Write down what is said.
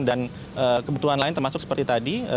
dan kebutuhan lain termasuk seperti tadi